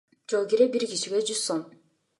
Жол кире бир кишиге жүз сом.